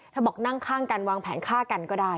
บอกนั่งข้างกันวางแผนฆ่ากันก็ได้